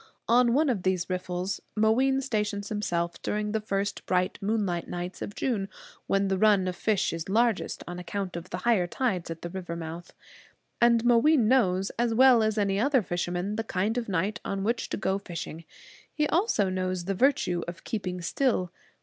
On one of these riffles Mooween stations himself during the first bright moonlight nights of June, when the run of fish is largest on account of the higher tides at the river mouth. And Mooween knows, as well as any other fisherman, the kind of night on which to go fishing. He knows also the virtue of keeping still.